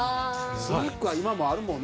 スナックは今もあるもんね。